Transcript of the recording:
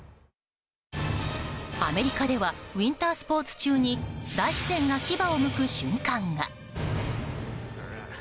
アメリカではウィンタースポーツ中に大自然が牙をむく瞬間が。